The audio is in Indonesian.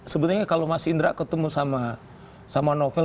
sebenarnya kalau mas indra ketemu sama novel